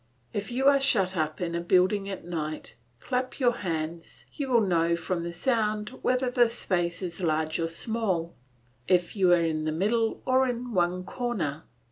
If you are shut up in a building at night, clap your hands, you will know from the sound whether the space is large or small, if you are in the middle or in one corner.